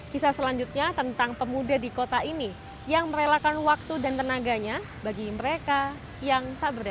kisah selanjutnya tentang pemuda di kota ini yang merelakan waktu dan tenaganya bagi mereka yang tak berdaya